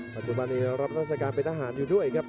ปัจจุบันนี้รับราชการเป็นทหารอยู่ด้วยครับ